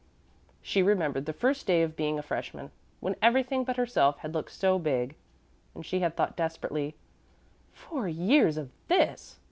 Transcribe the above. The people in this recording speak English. She remembered the first day of being a freshman, when everything but herself had looked so big, and she had thought desperately, "Four years of this!"